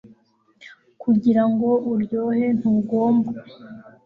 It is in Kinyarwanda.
Kugira ngo uryohe ntugomba